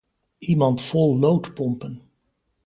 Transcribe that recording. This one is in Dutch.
Iemand vol lood pompen.